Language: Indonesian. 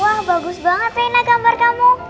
wah bagus banget reina gambar kamu